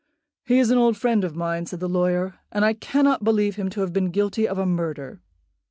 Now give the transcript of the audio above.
"He is an old friend of mine," said the lawyer, "and I cannot believe him to have been guilty of a murder."